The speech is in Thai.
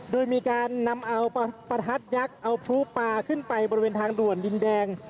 โดยมีการนำเอาประทัดยักษ์เอาพลูปลาขึ้นไปบริเวณทางด่วนดินแดง